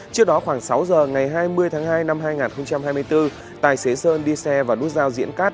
trước đó khoảng sáu giờ ngày hai mươi tháng hai năm hai nghìn hai mươi bốn tài xế sơn đi xe vào nút giao diễn cát